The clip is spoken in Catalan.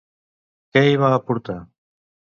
Què hi va aportar?